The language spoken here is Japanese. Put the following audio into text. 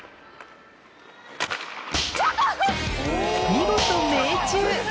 見事命中！